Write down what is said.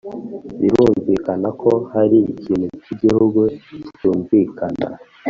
birumvikana ko hari ikintu cy'igihu kitumvikana